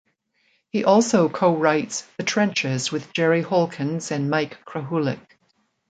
He also co-writes "The Trenches", with Jerry Holkins and Mike Krahulik.